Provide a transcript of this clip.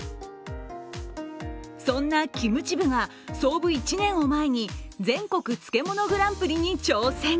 そんなキムチ部が創部１年を前に全国漬物グランプリに挑戦。